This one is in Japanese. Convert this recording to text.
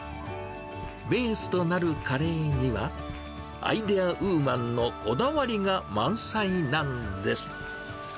ベースとなるカレーには、アイデアウーマンのこだわりが満載なんです。